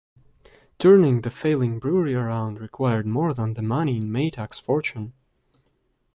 Turning the failing brewery around required more than the money in Maytag's fortune.